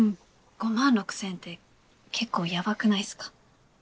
５万６０００円って結構ヤバくないっすか？